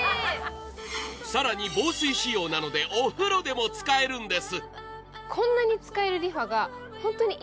更に防水仕様なので、お風呂にも使えるんです。